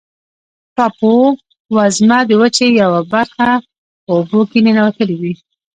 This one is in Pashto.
ټاپووزمه د وچې یوه برخه په اوبو کې ننوتلې وي.